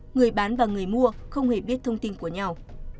người bán và người mua không hề biết thông tin của nhau